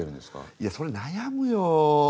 いやそりゃ悩むよ！